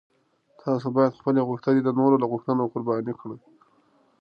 تاسو باید خپلې غوښتنې د نورو له غوښتنو قرباني کړئ.